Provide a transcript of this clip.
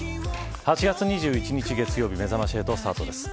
８月２１日月曜日めざまし８スタートです。